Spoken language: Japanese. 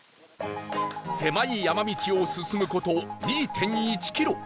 狭い山道を進む事 ２．１ キロ